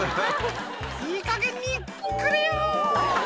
「いいかげんにくれよ！」